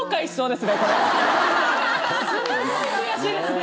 すごい悔しいですね。